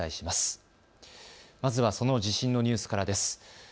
まずはその地震のニュースからです。